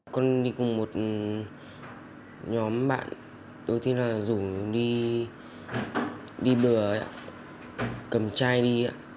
con đi cùng một nhóm bạn đầu tiên là dũng đi bừa cầm chai đi